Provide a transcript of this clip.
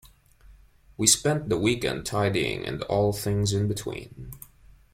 We spent the weekend tidying and all things in-between.